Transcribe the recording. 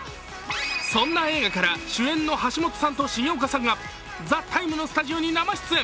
そんな映画から主演の橋本さんと重岡さんが「ＴＨＥＴＩＭＥ，」のスタジオに生出演。